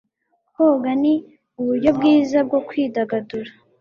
Koga ni uburyo bwiza bwo kwidagadura.